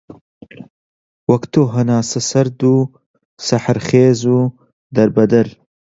وەک تۆ هەناسەسەرد و سەحەرخێز و دەربەدەر